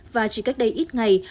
và chỉ cách đây ít ngày